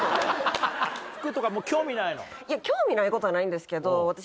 興味ないことはないんですけど私